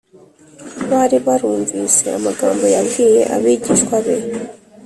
bari barumvise amagambo yabwiye abigishwa be